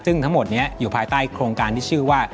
ซึ่งทั้งหมดนี้อยู่ภายใต้โครงการที่ชื่อว่า